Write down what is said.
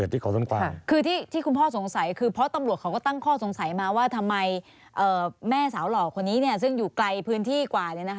ดีกว่าเนี่ยนะคะถึงรู้เรื่อง